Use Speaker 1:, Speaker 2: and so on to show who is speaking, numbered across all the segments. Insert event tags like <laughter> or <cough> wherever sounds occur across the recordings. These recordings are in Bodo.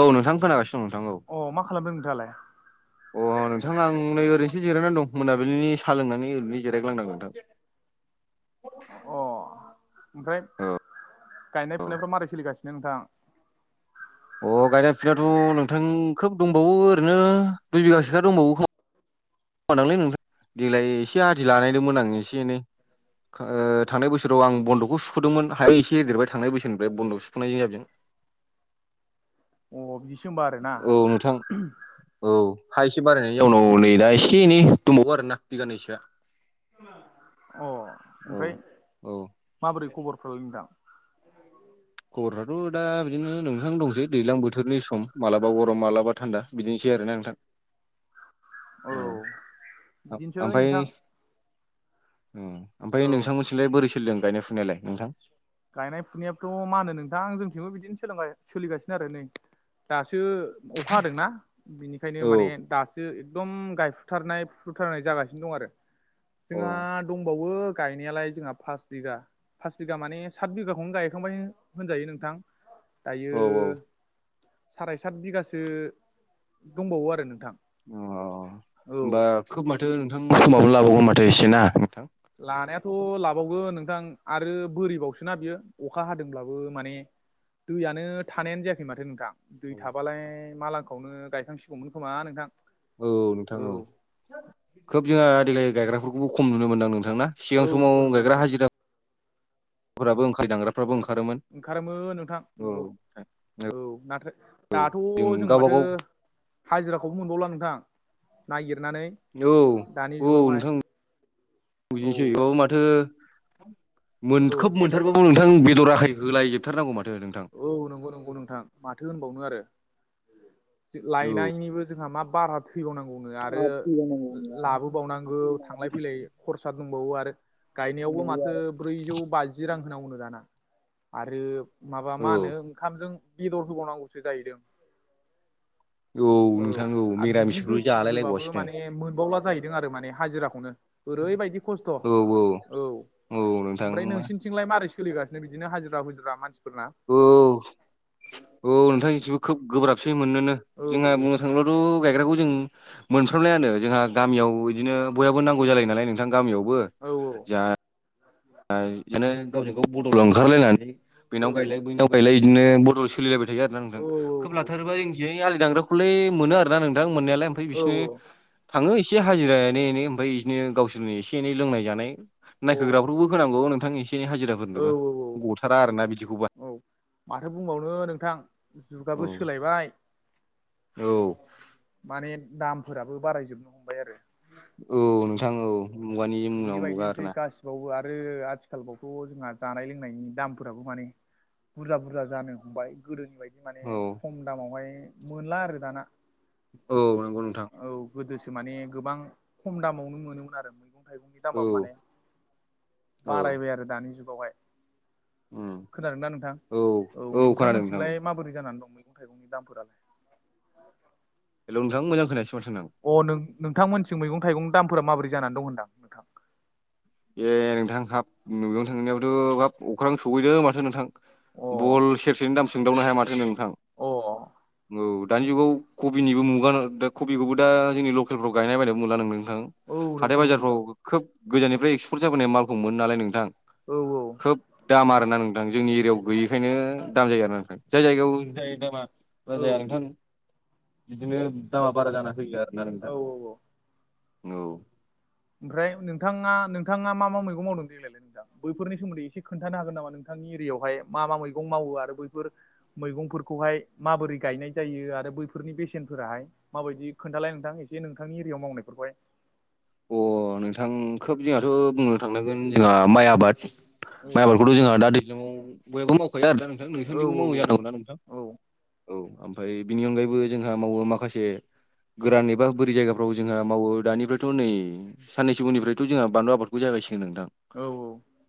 Speaker 1: औ नोंथां खोनागासिनो दं नोंथां औ
Speaker 2: अ मा खालामदों नोंथाङालाय
Speaker 1: अ नोंथां आं नै ओरैनोसो जिरायनानै दं मोनाबिलिनि साह लोंनानै ओरैनो जिरायग्लांनांगोन नोंथां
Speaker 2: अ ओमफ्राय गायनाय फुनायफ्राव मारै सोलिगासिनो नोंथां
Speaker 1: अ गायना फिनायाथ' नोंथां खोब दंबावो ओरैनो दुइ बिगासोखा दंबावो खानांलै नोंथां देग्लाय एसे आददि लानायदोंमोन आं एसे एनै थांनाय बोसोराव आं बन्दखौ सुखदोंमोन हायो एसे होदेरबाय थांनाय बोसोरनिफ्राय बन्द सुखनाय जाब जादों
Speaker 2: अ बिदिसो होनोमबा आरोना
Speaker 1: औ नोंथां औ हा एसे बारायनायनि उउनाव नै दा एसे एनै दंबावो आरोोना बिगानैनैसोआ
Speaker 2: अ
Speaker 1: औ
Speaker 2: ओमफ्राय
Speaker 1: औ
Speaker 2: माबोरै खबरफ्राय नोंथां
Speaker 1: खबरफ्राथ' दा बिदिनो नोंथां दंसै दैज्लां बोथोरनि सम माबलाबा गरम माबलाबा थान्दा बिदिनोसै आरोना नोंथां
Speaker 2: औ
Speaker 1: औ
Speaker 2: बिदिनोसै
Speaker 1: ओमफ्राय
Speaker 2: नोंथां
Speaker 1: औ ओमफ्राय
Speaker 2: औ
Speaker 1: नोंथांमोनथिसेलाय बोरै सोदों गनायुनायलाय नोंथां
Speaker 2: गायनाय फुनायथ' मा होनो नोंथां जोंथिंबो बिदिनो सोलिगासिनो आरो नै दासो अखा हादोंना बिनि ओंखायनो
Speaker 1: औ
Speaker 2: माने दासो एकदम गायफुथारनाय फुथुथारनाय जागासिनो दं आरो
Speaker 1: औ
Speaker 2: जोंहा दंबावो गायनायालाय जोंहा फास बिगा पास बिगा माने सााथ बिगाखौनो गायखांबाय होनजायो नोंथां दायो
Speaker 1: औ
Speaker 2: साराय सात बिगासो दंबावो आरो नोंथां
Speaker 1: अ
Speaker 2: औ
Speaker 1: होमबा खोब माथो नोंथां खस्थमाबो लाबावगोन माथो एसेना नोंथां
Speaker 2: लानायाथ' लाबावगोन नोंथां आरो बोरिबावसोोना बियो अखा हादोंब्लाबो माने दैयनो थानायानो जायाखै माथो नोंथां दै थाबालाय माालांखौनो गायखांसिगौमोन खोमा नोंथां
Speaker 1: औ नोंथां औ खोब जोंहा देग्लाय गायग्राफोरखौबो खम नुनो मोनदां नोंथांना सिगां
Speaker 2: औ
Speaker 1: समाव
Speaker 2: नंगौ नंगौ
Speaker 1: गायग्रा <unintelligible>
Speaker 2: नोंथां
Speaker 1: हाजिराफोराबो ओंखाय दांग्राफ्राबो ओंखारोमोन
Speaker 2: ओंखारोमो नोंथां
Speaker 1: औ
Speaker 2: नंगौ औ नाथथाय दाथ' जों
Speaker 1: गावबा
Speaker 2: माथो
Speaker 1: गाव
Speaker 2: हाजिराखौबो मोनबावला नोंथां नागिरनानै
Speaker 1: औ
Speaker 2: दानि
Speaker 1: औ
Speaker 2: जुगावहाय
Speaker 1: नोंथां <unintelligible> बुजिनोसै औ माथो
Speaker 2: औ
Speaker 1: मोनखोब मोनथारबाबो नोंथां बेदर आखै होलायजोबथारनांगौ माथो नोंथां
Speaker 2: औ नंगौ नंगौ नोंथां माथो होनबावनो आरो
Speaker 1: औ
Speaker 2: लायनायनिबो जोंहा मा बारा थैबावनांगौनो आरो लाबोबावनांगौ थांलाय फैलाय खरसा दंबावो आरो गायनायावबो माथो ब्रैजौ बाजि रां होनांगौनो दाना आरो माबा मा
Speaker 1: औ
Speaker 2: होनो ओंखामजों बेदर होबावनांगौसो जाहैदों औ
Speaker 1: नोंथां
Speaker 2: आरो बिदि
Speaker 1: मिरामिसखौ
Speaker 2: होसि
Speaker 1: जालाय
Speaker 2: होबाबो
Speaker 1: लायबावासोनो
Speaker 2: माने मोनबावला जाहैदों आरो माने हाजिराखौनो ओरैबायदि खस्थ'
Speaker 1: औ
Speaker 2: औ
Speaker 1: औ नोंथां मा
Speaker 2: बिदिलाय मारै सोलिगासिनो बिदिनो हाजिरा हुजिरा मानसिफोरना
Speaker 1: औ औ नोंथांबो खोब गोब्राबसै मोननोनो
Speaker 2: औ
Speaker 1: जोंहा बुंनो थोंलथ' गायग्राखौ जों मोनफ्रामनायानो जोंहा गामियाव बिदिनो बयहाबो नांगौ जालायो नालाय नों बिथां गामियावबो
Speaker 2: औ
Speaker 1: जा
Speaker 2: <unintelligible>
Speaker 1: बिदिनो गावजों गाव बद'लाव ओंखारलायनानै
Speaker 2: औ
Speaker 1: बेनाव गायलाय बैनाव गायलाय बिदिनो बड'लाव सोलिलायबाय आरो ना नोंथां
Speaker 2: औ
Speaker 1: खोब लाथारोबा जोंथिंआलि दांग्राखौलै मोनो आरो ना नोंथां मोननायालाय ओमफ्राय
Speaker 2: औ
Speaker 1: बिसोरनो थाङो एसे हाजिरा एनै एनै ओमफफ्राय बिदिनो गावसोरनि एसे एनै लोंनाय जानाय नायखोग्राफ्रावबो होनांगौ औ नोंथां एसे एनै
Speaker 2: औ
Speaker 1: हाजिराफोरनोबो
Speaker 2: औ औ
Speaker 1: गथारा आरोना बिदिखौ बा
Speaker 2: औ माथो बुंबावनो नोंथां
Speaker 1: औ
Speaker 2: जुगाबो सोलायबाय
Speaker 1: औ
Speaker 2: माने दामफोराबो बारायजोबनो हमबाय आरो
Speaker 1: औ नोंथां औ मुगानि मुनाव मुगा आर ना
Speaker 2: बेवबो आरो आथिखालबावथ' जोंहा जानाय लोंनायनि दामफोराबो माने बुरजा बुरजा जानो हमबाय गोदोनि बायदि माने
Speaker 1: औ
Speaker 2: खम दामावहाय मोनला आरो दाना
Speaker 1: औ नंगौ नोंथां
Speaker 2: औ गोदोसो माने गोबां खम दामावनो मोनोमोन आरो मैगं थाइगंनि
Speaker 1: औ
Speaker 2: दामबाब माने
Speaker 1: औ
Speaker 2: बारायबाय आरो दानि जुगावहाय
Speaker 1: उम
Speaker 2: खोनादों ना नोंथां औ नोंथां मिथिंलाय माबोरै जानानै दं मैगं थाइगंनि दामफोरालाय
Speaker 1: हेल' नोंथां मोजां खोनायास माथो नों
Speaker 2: अ नों-नोंथांमोनस मैगं थाइगंनि दामफोरा माबोरै जानानै दं होनदां नोंथां
Speaker 1: ए नोंथां हाब न'गनो थांनायाबथ' हाब अख्रांनो सहैदों माथो नोंथां
Speaker 2: अ
Speaker 1: बल सेरसेनि दाम सोंदावनो हाया माथो नोंथां
Speaker 2: अ
Speaker 1: औ दानि जुगाव कबिनिबो मुगा दा कबिखौबो दा जोंनि लकेलफ्राव गायनाय बायनो मोनला नोंदों नोंथां
Speaker 2: औ नंगौ
Speaker 1: हाथाय
Speaker 2: नंगौ नोंथां
Speaker 1: बाजारफ्राव खोब गोजाननिफ्राय एक्सपर्ट जाबोनाय मालखौ मोनो नालाय नोंथां
Speaker 2: औ औ
Speaker 1: खोब दाम आरोना नोंथां जोंनि एरियाव गैयैखायनो दाम जायो आरो ना नोंथां जाय जायगायाव जाय दामा बा
Speaker 2: औ
Speaker 1: जाया नोंथां बिदिनो दामा बारा जाना फैयो आरोना
Speaker 2: औ
Speaker 1: नोंथाङा
Speaker 2: औ
Speaker 1: औ
Speaker 2: ओमफ्राय नोंथाङा नोंथाङा मा मा मैगं मावदों देग्लायलाय नोंथा बैफोरनि सोमोन्दै इसे खोन्थ खोन्थानो हागोन नामा नोंथांनि एरियायावहाय मा मा मैगं मावो आरो बैफोर मैगंफोरखौहाय माबोरै गायनाय जायो आरो बैफोरनि बेसेनफोराहाय माबायदि खोन्थालाय नोंथां एसे नोंथांनि एरियावआव मावनाय फोरफोरखौ हाय
Speaker 1: अ नोंथां खोब जोंहाथ' बुंनो थांनांगोन जोंहा माइ आबाद
Speaker 2: औ
Speaker 1: माइ आबफोरखौथ' जोंहा दि बयहाबो मावखाया आरो ना नोंथां
Speaker 2: औ
Speaker 1: नोंथांनिबो
Speaker 2: औ
Speaker 1: मावै जानांगौ ना नोंथां
Speaker 2: औ
Speaker 1: औ ओमफ्राय बिनि अनगायैबो जोंहा मावो माखासे गोरान एबा बोरै जायगा फोराव जोंहा मावो दानिफ्रायथ' नै साननैसो उनिफ्रायथ' जोंहा बानलु आबादखौ जागायसिगोन नोंथां
Speaker 2: औ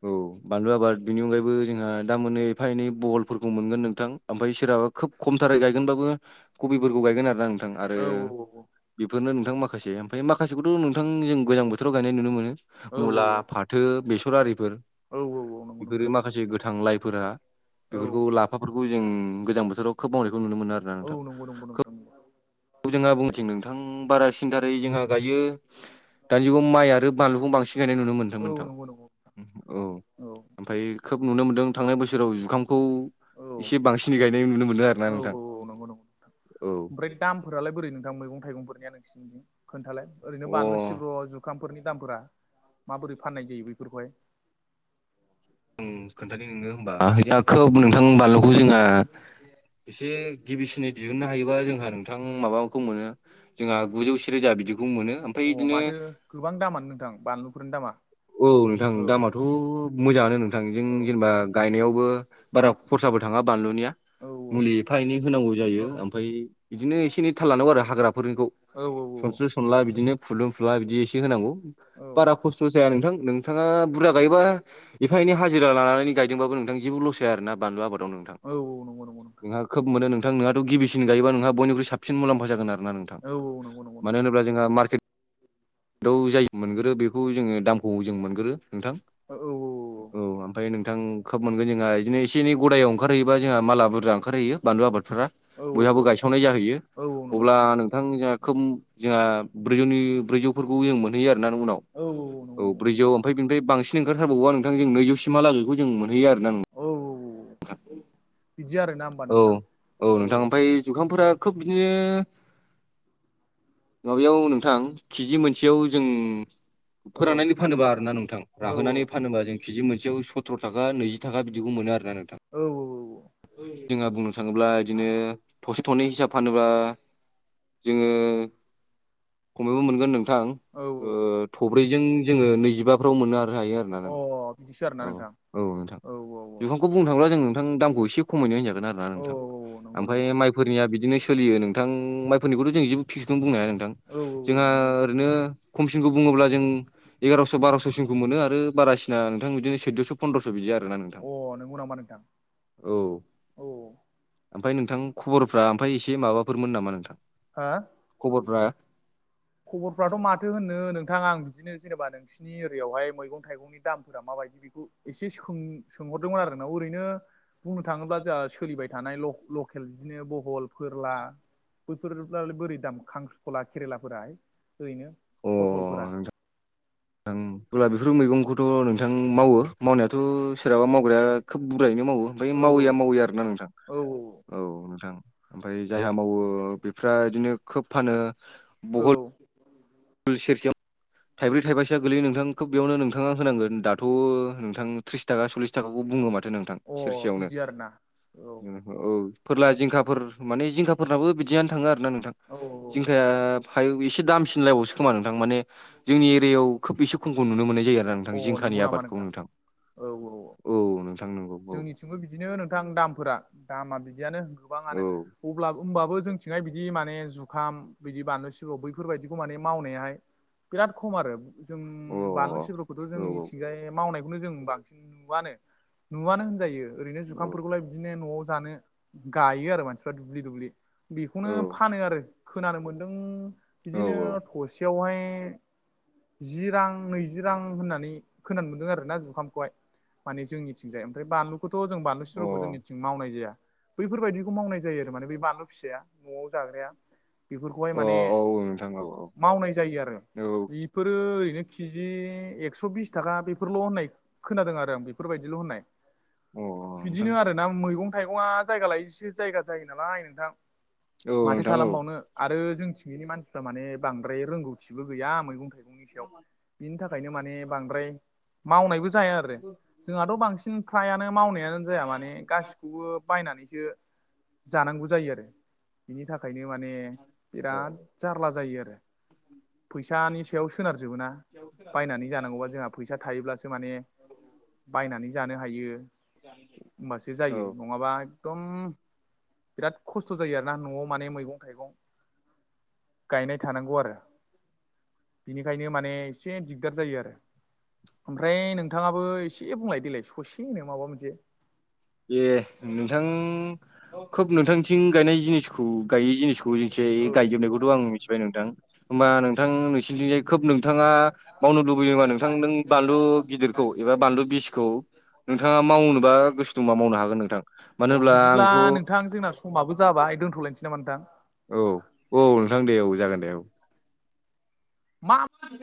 Speaker 1: औ बानलु आबाद बिनि अनगायैबो जोंहा दा मोनाने एफा एनै बहलफोरखौ मोनगोन नोंथां ओमफ्राय सोरहाबा खोब खमथारै गायगोनबाबो कबिफोरखौ गायगोन आरोोना नोंथां आरो
Speaker 2: औ
Speaker 1: बेफोरनो नोंथां माखासे ओमफ्राय माखासेखौथ' नोंथां जों गोजां बोथोराव गायनाय नुनो मोनो मुला फाथो बेसर आरिफोर
Speaker 2: औ औ नंगौ
Speaker 1: बेफोरो
Speaker 2: नोंथां
Speaker 1: माखासे गोथां लाइफोरा
Speaker 2: औ
Speaker 1: बेफोरखौ लाफाफोरखौ जों गोजां बोथोराव खोब मावनायखौ नुनो मोनो आरो
Speaker 2: औ नंगौ नंगौ नोंथां नंगौ
Speaker 1: औ जोंहा बुंथिं नोंथां बारासि सिनथारै जोंहा गायो दानि जुगाव माइ आरो बानलुखौ बांसिन गायनाय नुनो मोन्दोंमोन
Speaker 2: औ
Speaker 1: नोंथां
Speaker 2: नंगौ नंगौ
Speaker 1: औ ओमफ्राय खोब नुनो मोनदों थांनाय बोसोराव जुखामखौ
Speaker 2: औ
Speaker 1: एसे बांसिनै गायनाय नुनो मोनदों आरो
Speaker 2: औ
Speaker 1: ना नोंथां
Speaker 2: औ नंगौ नंगौ
Speaker 1: औ
Speaker 2: ओमफ्राय दामफोरालाय बोरै नोंथां मैगं थाइगंफोरनिया नोंसिनिथिं खोन्थालाय ओरैनो
Speaker 1: अ
Speaker 2: बानलु सिब्र' जु जुखामफोरनि दामफोरा माबोरै फाननाय जायो बेफोरखौहाय
Speaker 1: उम खोन्थानि नोंनो होनबा खोब नोंथां बानलुखौ जोंहा एसे गिबिसिनै दिहुननो हायोबा जोंहा नोंथां माबाखौ मोनो जोंहा गुजौ से रोजा बिदिखौ मोनो ओमफ्राय बिदिनो
Speaker 2: आर नोंथां बानलुफोरनि दामा
Speaker 1: औ नोंथां
Speaker 2: औ
Speaker 1: दामाथ' मोजाङानो नोंथां जों
Speaker 2: औ
Speaker 1: जेनेबा गायनायावबो बारा खरसाबो थाङा बानलुनिया
Speaker 2: औ
Speaker 1: मुलि एफा एनै होनांगौ
Speaker 2: औ
Speaker 1: जायो ओमफ्राय बिदिनो एसे एनै थाल लानांगौ आरो हाग्राफोरनिखौ
Speaker 2: औ
Speaker 1: सनस्रो सनला बिदिनो फुलुं फुला बिदि एसे होनांगौ
Speaker 2: औ
Speaker 1: दे नोंथां नोंथाङा बुरजा गायोबा एफा एनै हाजिरा लानानै गायदोंबाबो नोंथां जेबो लस जाया आरो ना बानलु आबादाव नोंथां
Speaker 2: औ औ नंगौ नंगौ नोंथां
Speaker 1: नोंहा खोब मोनो नोंथां गिबिसिन गायोबा नोंहा बनिख्रइ साबसिन मुलाम्फा जागोन आरो ना नोंथां
Speaker 2: औ औ नंगौ नंगौ
Speaker 1: मानो
Speaker 2: नोंथां
Speaker 1: होनोब्ला जोंहा मार्केट दाउ जायो मोनगोरो बेखौ जोङो दामखौ जों मोनगोरो नोंथां
Speaker 2: औ औ
Speaker 1: औ ओमफ्राय नोंथां खोब मोनगोन जोंहा बिदिनो एसे एनै गदायाव ओंखारहैयोबा जोंहा माला बुरजा ओंखारहैयो बानलु आबादफोरा बयहाबो
Speaker 2: औ औ
Speaker 1: गायसावनाय जाहैयो
Speaker 2: औ नंगौ
Speaker 1: अब्ला
Speaker 2: नंगौ
Speaker 1: नों नोंथां जोंहा खोबजोंहा ब्रैजौनि ब्रैजौफोरखौ जों मोनहैयो आरोना उनाव
Speaker 2: औ औ नंगौ
Speaker 1: औ
Speaker 2: नंगौ
Speaker 1: ब्रैजौ ओमफ्राय बेनिफ्राय बांसिन ओंखारथारबावोबा नोंथां जों नैजौसिमहालागैखौ जों मोनहैयो आरोना
Speaker 2: औ औ बिदि आरोना होमबा
Speaker 1: औ
Speaker 2: नोंथां
Speaker 1: औ नोंथां ओमफ्राय जुखामफोरा खोब बिदिनो माबायाव नोंथां केजि मोनसेयाव जों
Speaker 2: औ
Speaker 1: फोराननानै फानोबा आरोना नोंथां
Speaker 2: औ
Speaker 1: राहोनानै फानोबा जों केजि मोनसेयाव सथ्र' थाखा नैजि थाखा बिदिखौ मोनो आरोना नोंथां
Speaker 2: औ औ
Speaker 1: जोंहा बुंनो थाङोब्ला बिदिनो थसे थनै हिसाब फानोब्ला जोङो खमैबो मोन गोन नोंथां
Speaker 2: औ
Speaker 1: ओ
Speaker 2: औ
Speaker 1: थब्रैजों जोङो नैजिबाफ्राव मोनो आरो हायो
Speaker 2: अ
Speaker 1: मानो
Speaker 2: बिदिसो आरोना
Speaker 1: औ
Speaker 2: नोंथां
Speaker 1: औ नोंथां
Speaker 2: औ
Speaker 1: जुखामखौ बुंनो थाङोब्ला जों नोंथां दामखौ एसे खमैनो होनजागोन आरो
Speaker 2: औ
Speaker 1: नोंथां
Speaker 2: नंगौ
Speaker 1: ओमफ्राय
Speaker 2: नंगौ नंगौ
Speaker 1: माइखौ फोरनिया बिदिनो सोलियो नोंथां माइफोरनिखौथ' जों जेबो फिक्सखौनो बुंनो हाया नोंथां
Speaker 2: औ
Speaker 1: जोंहा ओरैनो खमसिनखौ बुङोब्ला जों एगार'स' बार'स'सिमखौ मोनो आरो बारासिना नोंथां बिदिनो सैद'स' पन्द्र'स' बिदि आरो ना नोंथां
Speaker 2: अ नोंगौ नामा नोंथां
Speaker 1: औ
Speaker 2: औ
Speaker 1: ओमफ्राय नोंथां खबरफ्रा ओमफ्राय एसे माबाफोरमोन नामा नोंथां
Speaker 2: हा
Speaker 1: खबरफ्रा
Speaker 2: खबरफ्राथ' माथो होननो नोंथां आं बिदिनो जेनेबा नोंसिनि एरिया यावहाय मैगं थाइगंनि दामफोरा माबायदि बेखौ एसे सों सोंहरदोंमोन आरो नोंनाव ओरैनो बुंनो थाङोब्ला जोंहा सोलिबाय थानाय ल' लकेल बिदिनो बहल फोरला बैफोरालाय बोरै दाम खांख्रिखला खेरेला फोराहाय ओरैनो फतलफोरा
Speaker 1: ओं अब्ला बेफोर मैगंखौथ' नोंथां मावो मावनायाथ' सोरहाबा मावग्राया खोब बुरजायैनो मावो बै
Speaker 2: औ
Speaker 1: मावैया मावै आरोना नोंथां औ नोंथां। ओमफाय जायहा मावो बेफ्रा इदिनो खोब फानो।
Speaker 2: औ
Speaker 1: सुल सेरसेयाव थाइब्रै थाइबासेया गोलैयो नोंथां। खौ बेयावनो नोंथांङा होनांगोन दाथ' नोंथां त्रिस थाखा सल्लिस थाखाखौ बुयो माथो नों थां
Speaker 2: औ अ
Speaker 1: सेरसेयावनो
Speaker 2: बिदि आरोना औ
Speaker 1: औ फोरला जिंखाफोर माने जिंखाफोरनाबो बिदियानो थाङो आरोना नोंथां
Speaker 2: औ
Speaker 1: जिंखाया फाय एसे दामसिनलायबावसो। खोमा नोंथां माने जोंनि एरियायाव खोब एसे खमखौ नुनो मोननाय जायो आरोनि नोंथां
Speaker 2: अ नंगौ
Speaker 1: जिंखानि
Speaker 2: नामा
Speaker 1: आबादखौ नोंथां।
Speaker 2: औ औ औ
Speaker 1: औ नोंथां नंगौ औ।
Speaker 2: जोंनिथिंबो बिदिनो नोंथां दामफोरा दामा बिदियानो गोबाङानो। अब्ला होमबाबो जोंथिंहाय बिदि माने जुखाम बिदि बानलु सिब्र बैफोरबायदिखौ माने मावनायाहाय बिराद खम आरो जों
Speaker 1: औ अ
Speaker 2: बानलु सिब्रखौथ'
Speaker 1: औ
Speaker 2: जोंनिथिंजाय मावनाय बेखौनो जों बांसिन नुवानो नुवानो होनजायो ओरैनो
Speaker 1: औ
Speaker 2: जुखामफोरखौलाय बिदिनो न'आव जानो गायो आरो मानसिफ्रा दुब्लि दुब्लि बेखौनो
Speaker 1: औ
Speaker 2: फानो आरो खोनानो मोनदों
Speaker 1: औ
Speaker 2: बिदिनो थसेयावहाय जि रां नैजि रां होननानै खोनानो मोनदों आरोना जुखामखौहाय माने जोंनिथिंजाय। ओमफ्राय बानलुखौथ' जों बानलुु सिब्रखौ जोंनिथिं मावनाय जाया। बैफोरबायादिखौ मावनाय जायो आरो माने बे बानलु फिसाया न'आव जाग्राया। बेफोरखौहाय
Speaker 1: अ औ
Speaker 2: माने
Speaker 1: औ नोंथां औ
Speaker 2: मावनाय जायो आरो।
Speaker 1: औ
Speaker 2: बेफोरो ओरैनो केजि एक्स' बिस थाखा बेफोरल' होननाय खोनादों आरो आं बेफोरबायदिल' होननाय।
Speaker 1: औ अ नोंथां
Speaker 2: बिदिनो आरोना मैगं थाइगंया जायगा लायैसो जायगा जायो नालाय नोंथां।
Speaker 1: औ
Speaker 2: माथो
Speaker 1: नोंथां औ
Speaker 2: खालामबावनो आरो जोंथियैनि मानसिफ्रा माने बांद्राय रोंगौथिबो गैया मैगं थाइगं सुबुंनि सायाव बिनि थाखायनो माने बांद्राय मावनायबो जाया आरो जोंहाथ' बांसिन फ्रायानो मावनाया जाया माने गासिखौबो बायनानैसो जानांगौ जायो आरो। बिनि थाखायनो माने बिराद जारला जायो आरो। फैसानि सायाव सोनारजोबो ना बायनानै जानांगौया जोंहा फैसा थायोब्लासो माने बायनानै जानो हायो होमबासो
Speaker 1: औ
Speaker 2: जायो नङाबा एकदम बिराद खस्थ' जायो आरोना न'आव माने मैगं थाइगं गायनाय थानांगौ आरो। बिनिखायनो माने एसे दिगदार जायो आरो ओमफ्राय नोंथांङाबो एसे बुंलाय देलाय ससे <unintelligible> माबा मोनसे
Speaker 1: ए नोंथां खोब नोंथांथिं गायनाय जिनिसखौ गायि जिनिसखौ
Speaker 2: औ
Speaker 1: <unintelligible> गायजोबनायखौथ' आं मिथिबाय नोंथां होमबा नोंथां नोंसिनिथिंजाय खोब नोंथाङा मावनो लुुबैदोंबा नोंथां नों बानलु गिदिरखौ एबा बानलु बिसखौ नोंथांङा मावनोबा गोसो दंबा मावनो हागोन नोंथां मानो
Speaker 2: अ
Speaker 1: होनब्ला
Speaker 2: बिदिब्ला
Speaker 1: आंथ'
Speaker 2: नोंथां जोंना समाबो जाबाय दोनथ' लायसै नामा नोंथां?
Speaker 1: औ औ नोंथां दे औ जागोन दे औ।
Speaker 2: मा